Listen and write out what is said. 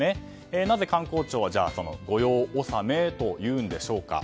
なぜ官公庁は御用納めというんでしょうか。